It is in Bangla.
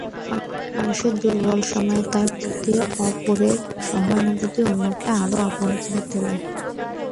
মানুষের দুর্বল সময়ে তার প্রতি অপরের সহানুভূতি অন্যকে আরও আপন করে তোলে।